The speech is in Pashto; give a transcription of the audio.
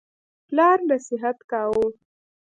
پلار نصیحت کاوه.